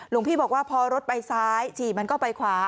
หลวงพี่บอกว่าพอรถไปซ้ายฉี่มันก็ไปขวา